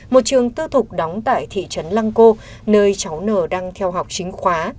một trường tư thục đóng tại thị trấn lăng cô nơi cháu n đang theo học chính khóa